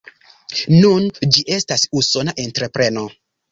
Nun ĝi estas Usona entrepreno.